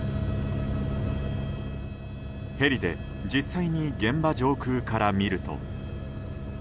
ヘリで実際に現場上空から見ると。